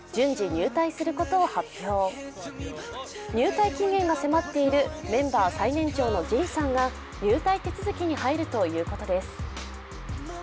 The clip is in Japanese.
入隊期限が迫っているメンバー最年長のＪＩＮさんが入隊手続きに入るということです。